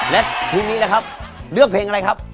และทีมนี้นะครับเลือกเพลงอะไรครับ